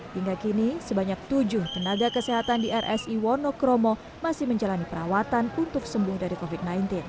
hingga kini sebanyak tujuh tenaga kesehatan di rsi wonokromo masih menjalani perawatan untuk sembuh dari covid sembilan belas